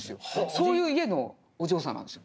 そういう家のお嬢さんなんですよ。